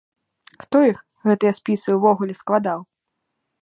Хто іх, гэтыя спісы, ўвогуле складаў?